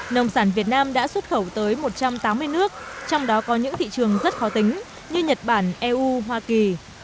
nông sản việt nam đã xuất khẩu tới một trăm tám mươi nước trong đó có những thị trường rất khó tính như nhật bản eu hoa kỳ